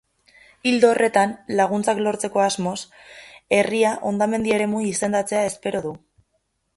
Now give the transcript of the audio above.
Ildo horretan, laguntzak lortzeko asmoz, herria hondamendi eremu izendatzea espero du.